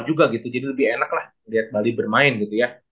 jadi lebih enak lah liat bali bermain gitu ya